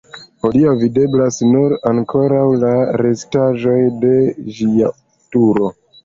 Hodiaŭ videblas nur ankoraŭ la restaĵoj de ĝia turo.